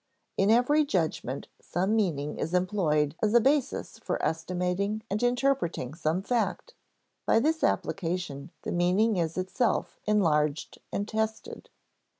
In every judgment some meaning is employed as a basis for estimating and interpreting some fact; by this application the meaning is itself enlarged and tested.